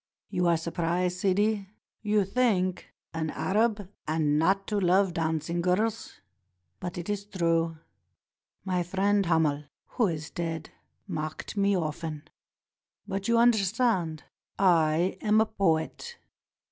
You are surprised, Sidi? You think: 'An Arab, and not to love dancing girls!' But it is true. My friend Hamel who is dead mocked me often. But, you understand, I am a poet."